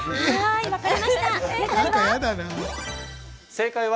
正解は。